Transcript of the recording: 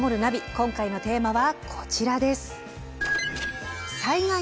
今回のテーマはこちらです。